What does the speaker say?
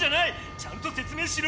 ちゃんと説明しろ！